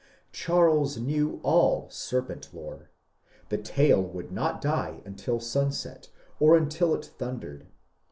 Cbarles knew all serpent lore. The tail would not die until sunset, or until it tbundered.